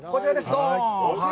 ドン！